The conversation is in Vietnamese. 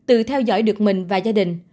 và tự theo dõi được mình và gia đình